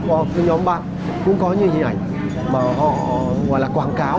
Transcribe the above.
qua cái nhóm bạn cũng có những hình ảnh mà họ gọi là quảng cáo